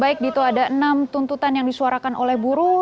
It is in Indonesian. baik dito ada enam tuntutan yang disuarakan oleh buruh